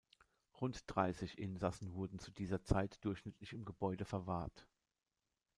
Rund dreißig Insassen wurden zu dieser Zeit durchschnittlich im Gebäude verwahrt.